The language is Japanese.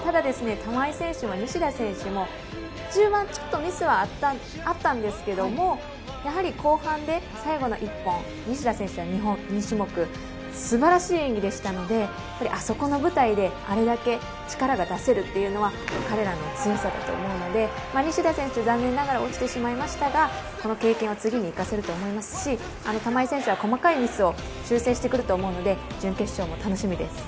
玉井選手も西田選手も中盤ちょっとミスはあったんですけどやはり後半で最後の１本西田選手は２種目素晴らしい演技でしたのであそこの舞台であれだけ力が出せるというのは彼らの強さだと思うので西田選手は残念ながら落ちてしまいましたがこの経験を次に生かせると思いますし玉井選手は細かいミスを修正してくると思うので準決勝も楽しみです。